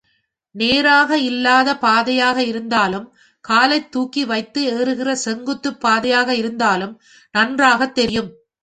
நேராக இல்லாத பாதையாக இருந்தாலும், காலை தூக்கி வைத்து ஏறுகின்ற செங்குத்துப் பாதையாக இருந்தாலும் நன்றாகத் தெரியும்.